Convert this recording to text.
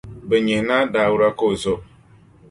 Bɛ nyihi Naa Dauda ka o zo.